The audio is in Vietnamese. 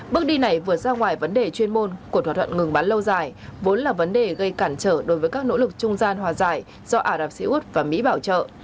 bước đi này vượt ra ngoài vấn đề chuyên môn của thỏa thuận ngừng bắn lâu dài vốn là vấn đề gây cản trở đối với các nỗ lực trung gian hòa giải do ả rập xê út và mỹ bảo trợ